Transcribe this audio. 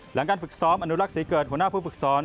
หลังการฝึกซ้อมอนุรักษ์ศรีเกิดหัวหน้าผู้ฝึกสอน